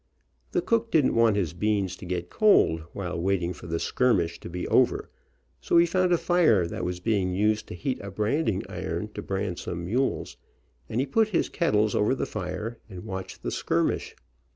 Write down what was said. The cook didn't want his beans to get cold, while waiting for the skirmish to be over, so he found a fire that was being used to heat a branding iron to brand some mules, and he put his kettles over the fire, and watched the Branding Filipinos. skirmish.